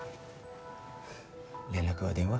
連絡は電話？